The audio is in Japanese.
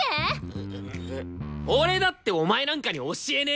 うぐ俺だってお前なんかに教えねよ！